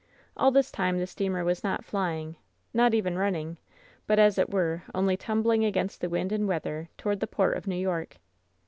All this time the steamer was not "flying," not even "running,'' but, as it were, only tumbling against wind and weather toward the port of New York.